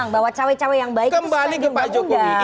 bahwa cawe cawe yang baik itu saya yang undang